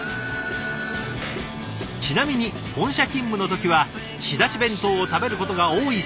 ちなみに本社勤務の時は仕出し弁当を食べることが多いそうです。